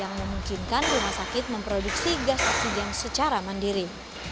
yang memungkinkan rumah sakit memproduksi gas oksigen secara mandiri